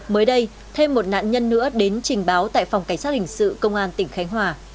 mới đây thêm một nạn nhân nữa đến trình báo tại phòng cảnh sát hình sự công an tỉnh khánh hòa